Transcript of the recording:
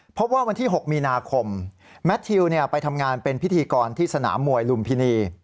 พบว่าวันที่๖มีนาคมแมททิวไปทำงานเป็นพิธีกรที่สนามมวยลุมพินี